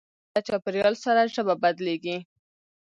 له چاپېریال سره ژبه بدلېږي.